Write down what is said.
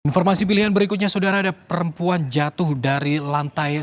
informasi pilihan berikutnya saudara ada perempuan jatuh dari lantai